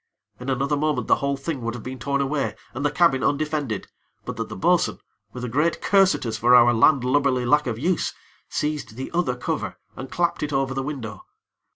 In another moment, the whole thing would have been torn away, and the cabin undefended, but that the bo'sun, with a great curse at us for our landlubberly lack of use, seized the other cover, and clapped it over the window.